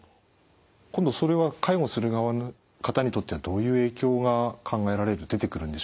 今度それは介護する側の方にとってはどういう影響が考えられる出てくるんでしょうか？